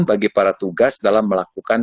bagi para tugas dalam melakukan